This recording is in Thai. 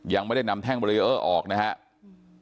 ยังไม่ได้นำแท่งเบรีเออร์ออกนะครับ